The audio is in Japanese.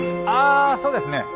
あそうですね。